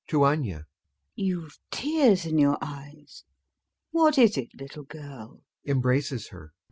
[To ANYA] You've tears in your eyes.... What is it, little girl? [Embraces her.